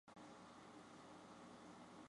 紫缨乳菀是菊科紫菀属的植物。